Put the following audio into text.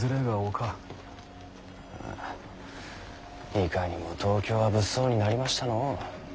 いかにも東京は物騒になりましたのう。